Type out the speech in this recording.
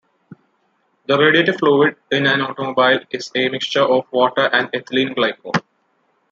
The radiator fluid in an automobile is a mixture of water and ethylene glycol.